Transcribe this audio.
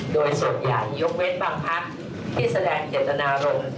โดยส่วนใหญ่ยกเว้นบางพักที่แสดงเจตนารมณ์